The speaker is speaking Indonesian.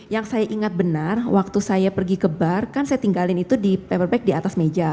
yang saya ingat benar waktu saya pergi ke bar kan saya tinggalin itu di paper bag di atas meja